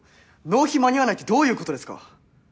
納品間に合わないってどういうことですか？